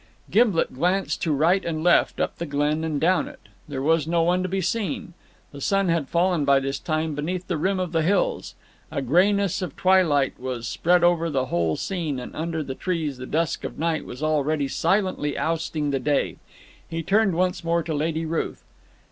Gimblet glanced to right and left, up the glen and down it. There was no one to be seen. The sun had fallen by this time beneath the rim of the hills; a greyness of twilight was spread over the whole scene, and under the trees the dusk of night was already silently ousting the day. He turned once more to Lady Ruth.